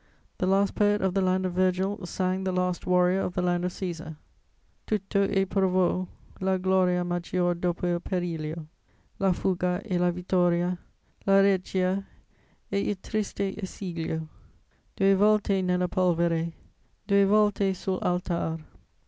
The last poet of the land of Virgil sang the last warrior of the land of Cæsar: Tutto ei provò, la gloria Maggior dopo il periglio, La fuga e la vittoria, La reggia e il triste esiglio: Due volte nella polvere, Due volte sull'altar.